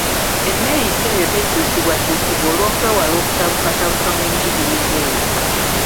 Enneeyisa eyo tekyusibwakyusibwa olw’okwewala okutabukatabuka mu njigiriiza eyo.